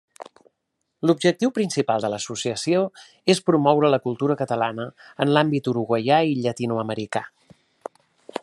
L'objectiu principal de l'associació és promoure la cultura catalana en l'àmbit uruguaià i llatinoamericà.